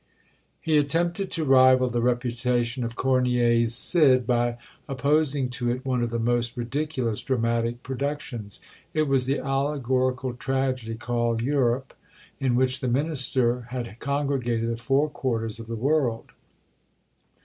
He attempted to rival the reputation of Corneille's "Cid," by opposing to it one of the most ridiculous dramatic productions; it was the allegorical tragedy called "Europe," in which the minister had congregated the four quarters of the world!